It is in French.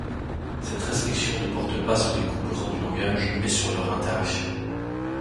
Cette restriction ne porte pas sur les composants du langage, mais sur leur interaction.